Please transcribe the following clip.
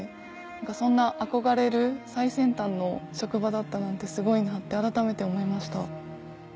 そんな憧れる最先端の職場だったなんてすごいなって改めて思いました。